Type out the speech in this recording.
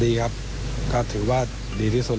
ดีครับก็ถือว่าดีที่สุด